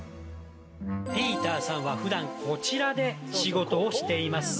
ピーターさんは普段こちらで仕事をしています。